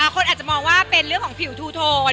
คนอาจจะมองว่าเป็นเรื่องของผิวทูโทน